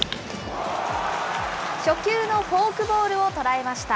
初球のフォークボールを捉えました。